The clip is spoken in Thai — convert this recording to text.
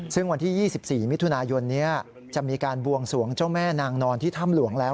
ซึ่งวันที่๒๔มิถุนายนนี้จะมีการบวงสวงเจ้าแม่นางนอนที่ถ้ำหลวงแล้ว